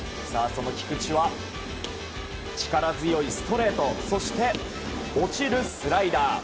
その菊地は、力強いストレートそして、落ちるスライダー。